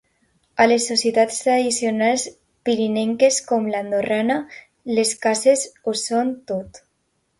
A les societats tradicionals pirinenques, com l’andorrana, les cases ho són tot.